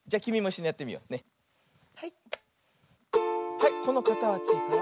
はいこのかたちから。